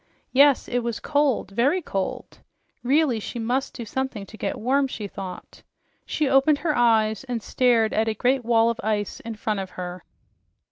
Yes, it was cold, very cold! Really, she MUST do something to get warm, she thought. She opened her eyes and stared at a great wall of ice in front of her.